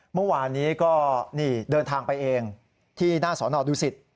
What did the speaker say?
เมื่อวานนี้ก็เดินทางไปเองที่หน้าสนดุศิษฐ์